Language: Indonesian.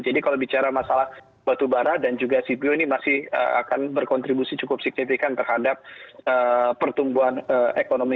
jadi kalau bicara masalah batubara dan juga cpo ini masih akan berkontribusi cukup signifikan terhadap pertumbuhan ekonomi